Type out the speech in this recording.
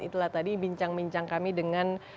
itulah tadi bincang bincang kami dengan